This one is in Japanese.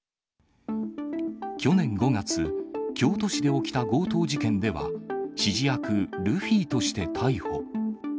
去年５月、京都市で起きた強盗事件では、指示役、ルフィとして逮捕。